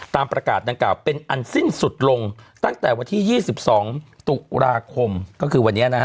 ตามประกาศต่างกล่าวเป็นอันขึ้นสุดลงตั้งแต่วันที่สิบสองสุดตลาคมก็คือวันเนี้ยนะฮะ